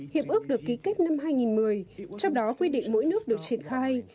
hiệp ước được ký kết năm hai nghìn một mươi trong đó quy định mỗi nước được triển khai